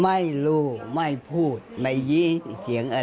ไม่รู้ไม่พูดไม่ยินเสียงอะไร